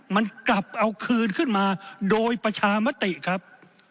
มันกลับเอาคืนขึ้นมาโดยประชามติครับ